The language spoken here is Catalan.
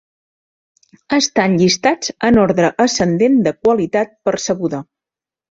Estan llistats en ordre ascendent de "qualitat" percebuda.